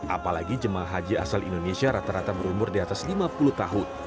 apalagi jemaah haji asal indonesia rata rata berumur di atas lima puluh tahun